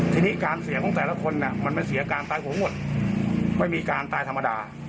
ทีนี้การเสียของแต่ละคนมันไม่เสียการตายของหมดไม่มีการตายธรรมดา